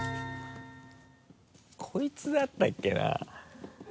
こいつだったっけな？